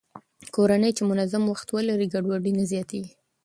کورنۍ چې منظم وخت ولري، ګډوډي نه زياتېږي.